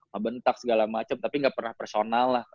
gak bentak segala macam tapi gak pernah personal lah